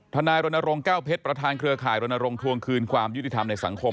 นายรณรงค์แก้วเพชรประธานเครือข่ายรณรงควงคืนความยุติธรรมในสังคม